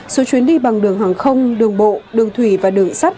số chuyến đi bằng đường hàng không đường bộ đường thủy và đường sắt